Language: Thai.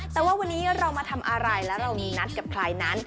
แต่ว่าวันนี้เรามาทำอะไรแล้วเรามีนัดกับใครนั้น